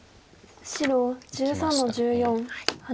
白１３の十四ハネ。